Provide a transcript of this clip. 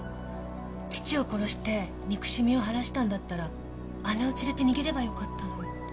父を殺して憎しみを晴らしたんだったら姉を連れて逃げればよかったのに。